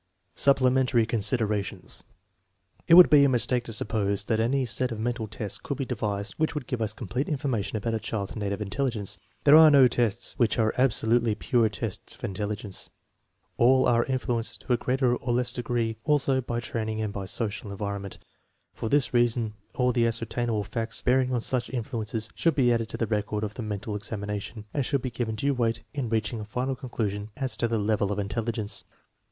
Supplementary considerations. It would be a mistake to suppose that any set of mental tests could be devised which would give us complete information about a child's native intelligence. There are no tests which are absolutely pure tests of intelligence. All are influenced to a greater or less degree also by training and by social environment. For this reason, all the ascertainable facts bearing on such influences should be added to the record of the mental examination, and should be given due weight in reaching a final conclusion as to the level of intelligence.